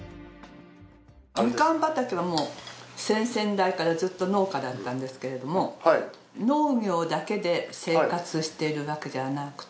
みかん畑はもう先々代からずっと農家だったんですけれども農業だけで生活してるわけじゃなくて。